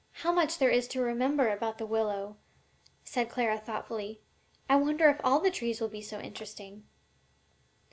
"How much there is to remember about the willow!" said Clara, thoughtfully. "I wonder if all the trees will be so interesting?"